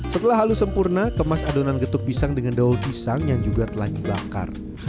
setelah halus sempurna kemas adonan getuk pisang dengan daun pisang yang juga telah dibakar